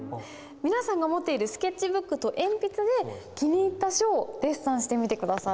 皆さんが持っているスケッチブックと鉛筆で気に入った書をデッサンしてみて下さい。